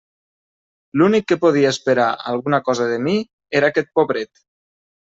L'únic que podia esperar alguna cosa de mi era aquest pobret.